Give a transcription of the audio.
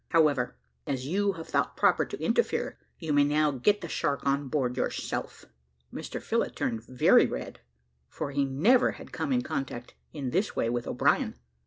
However, as you have thought proper to interfere, you may now get the shark on board yourself." Mr Phillott turned very red, for he never had come in contact in this way with O'Brien.